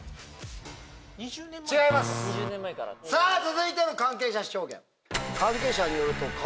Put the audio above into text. さぁ続いての関係者証言。